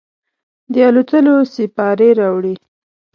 د الوتلوسیپارې راوړي